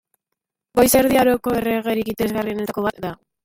Goiz Erdi Aroko erregerik interesgarrienetako bat da.